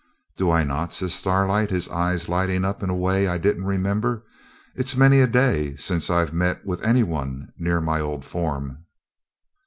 'Do I not,' says Starlight, his eyes lighting up in a way I didn't remember. 'It's many a day since I've met with any one near my old form.'